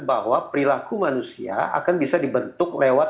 bahwa perilaku manusia akan bisa dibentuk lewat